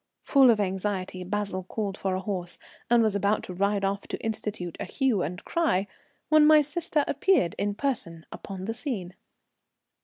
Full of anxiety, Basil called for a horse, and was about to ride off to institute a hue and cry, when my sister appeared in person upon the scene.